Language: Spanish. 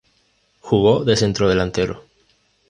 Jugó de centrodelantero.